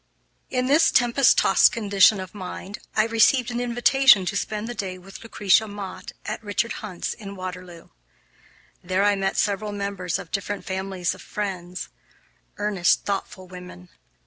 In this tempest tossed condition of mind I received an invitation to spend the day with Lucretia Mott, at Richard Hunt's, in Waterloo. There I met several members of different families of Friends, earnest, thoughtful women.